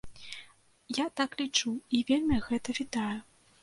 Я так лічу і вельмі гэта вітаю.